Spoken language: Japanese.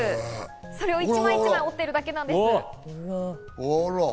それを一枚一枚、折ってるだけなんです。